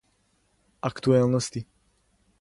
Актуелности